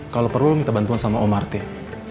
kalo perlu minta bantuan sama om martin